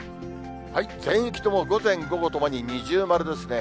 全域とも、午前、午後ともに二重丸ですね。